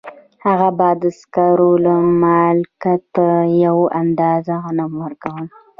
هغه به د سکارو مالک ته یوه اندازه غنم ورکول